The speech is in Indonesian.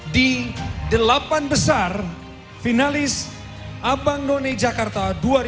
di delapan besar finalis abang none jakarta dua ribu dua puluh